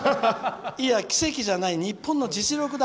「いや、奇跡じゃない日本の実力だ。